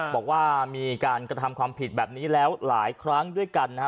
บอกว่ามีการกระทำความผิดแบบนี้แล้วหลายครั้งด้วยกันนะฮะ